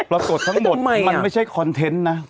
ปรากฏทั้งหมดมันไม่ใช่คอนเทนต์นะ